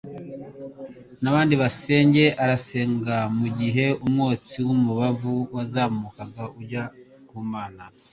n'abandi basenga, arasenga mu gihe umwotsi w'umubavu wazamukaga ujya ku Mana.